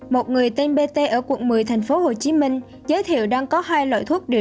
một người tên bt ở quận một mươi tp hcm giới thiệu đang có hai loại thuốc kháng virus